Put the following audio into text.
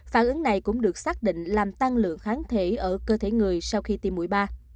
phản ứng này cũng được xác định làm tăng lượng kháng thể ở cơ thể người sau khi tiêm mũi ba